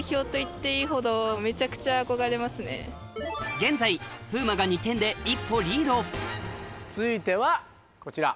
現在風磨が２点で一歩リード続いてはこちら。